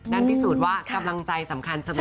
นั่นพิสูจน์ว่ากำลังใจสำคัญเสมอเนอะ